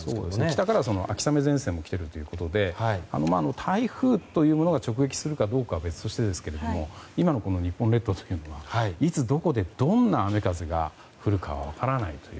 北からは秋雨前線も来てるということで台風というものが直撃するかどうかは別ですけれども今の日本列島というのはいつどこでどんな雨風が降るか分からないという。